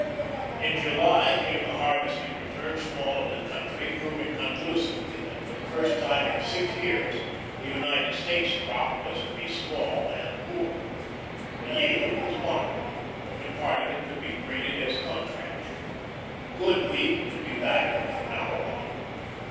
In July came the harvesting returns from all over the country, proving conclusively that for the first time in six years, the United States crop was to be small and poor. The yield was moderate. Only part of it could be graded as "contract." Good wheat would be valuable from now on.